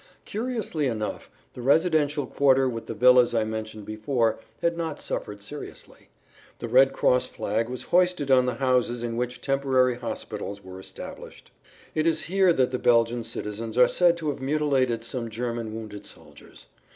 Curiously enough, the residential quarter with the villas I mentioned before had not suffered seriously; the Red Cross flag was hoisted on the houses in which temporary hospitals were established. It is here that the Belgian citizens are said to have mutilated some German wounded soldiers.